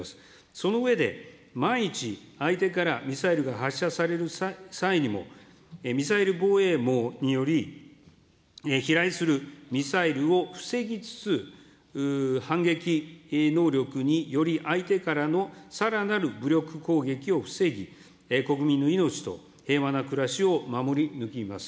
その上で、万一、相手からミサイルが発射される際にも、ミサイル防衛網により飛来するミサイルを防ぎつつ、反撃能力により相手からのさらなる武力攻撃を防ぎ、国民の命と平和な暮らしを守り抜きます。